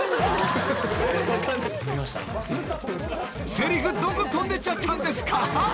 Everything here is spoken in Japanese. ［せりふどこ飛んでっちゃったんですか？］